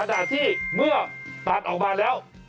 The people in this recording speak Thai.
ขณะที่เมื่อตัดออกมาแล้ว